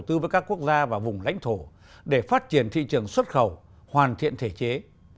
tăng cường quan hệ hợp tác quốc gia và vùng lãnh thổ để phát triển thị trường xuất khẩu hoàn thiện thể chế